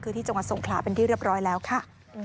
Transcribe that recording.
คือที่จังหวัดสงขลาเป็นที่เรียบร้อยแล้วค่ะ